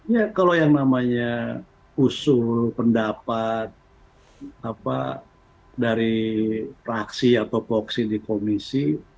ya kalau yang namanya usul pendapat dari fraksi atau voksi di komisi